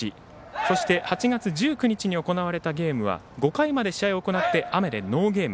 そして８月１９日に行われたゲームは５回まで試合を行って雨でノーゲーム。